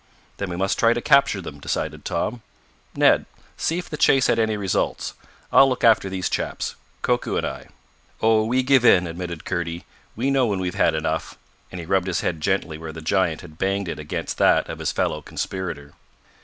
"Then we must try to capture them," decided Tom. "Ned, see if the chase had any results. I'll look after these chaps Koku and I." "Oh, we give in," admitted Kurdy. "We know when we've had enough," and he rubbed his head gently where the giant had banged it against that of his fellow conspirator.